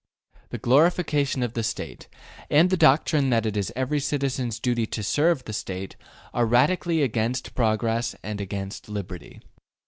The glorification of the State, and the doctrine that it is every citizen's duty to serve the State, are radically against progress and against liberty.